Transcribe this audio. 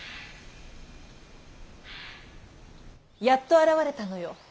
やっと現れたのよ